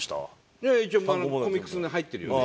いやいや一応コミックスに入ってるよね。